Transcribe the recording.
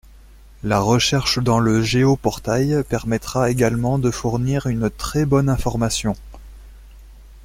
La recherche dans le géoportail permettra également de fournir une très bonne information.